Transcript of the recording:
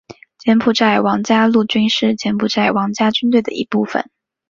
柬埔寨王家陆军是柬埔寨王家军队的一部分。